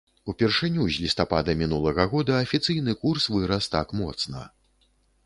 Упершыню з лістапада мінулага года афіцыйны курс вырас так моцна.